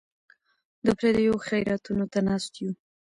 د پردیو خیراتونو ته ناست یو.